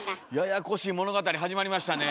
ややこしい物語始まりましたね。